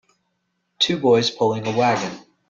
Two boys pulling a wagon.